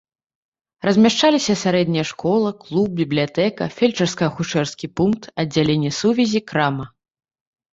Размяшчаліся сярэдняя школа, клуб, бібліятэка, фельчарска-акушэрскі пункт, аддзяленне сувязі, крама.